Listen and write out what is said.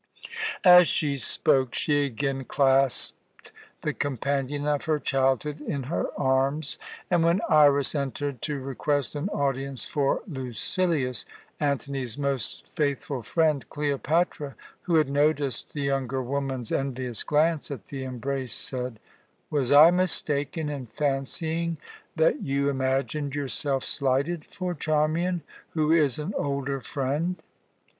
As she spoke, she again clasped the companion of her childhood in her arms, and when Iras entered to request an audience for Lucilius, Antony's most faithful friend, Cleopatra, who had noticed the younger woman's envious glance at the embrace, said: "Was I mistaken in fancying that you imagined yourself slighted for Charmian, who is an older friend?